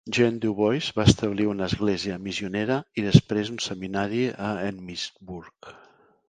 Jean Dubois va establir una església missionera i després un seminari a Emmitsburg.